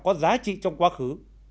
có giá trị trong quá khứ